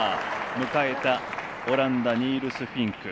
迎えたオランダニールス・フィンク。